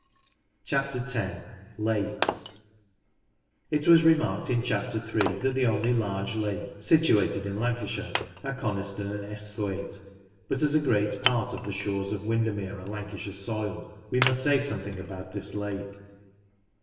10. Lakes. It was remarked in Chapter 3 that the only large lakes situated in Lancashire are Coniston and Esthwaite, but as a great part of the shores of Windermere are Lancashire soil, we must say something about this lake.